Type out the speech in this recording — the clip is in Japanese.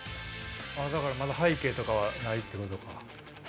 だからまだ背景とかはないってことか。